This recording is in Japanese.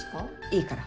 いいから。